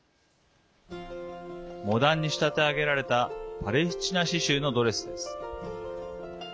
モダンに仕立て上げられたパレスチナ刺しゅうのドレスです。